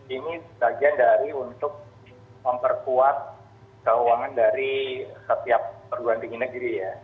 ini bagian dari untuk memperkuat keuangan dari setiap perguruan tinggi negeri ya